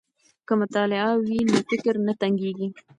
که مطالع وي نو فکر نه تنګیږي.